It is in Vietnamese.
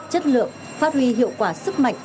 chất lượng phát huy hiệu quả sức mạnh